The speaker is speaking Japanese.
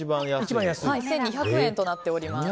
１２００円となっております。